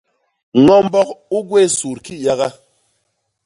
Ño mbok u gwéé sut kiyaga.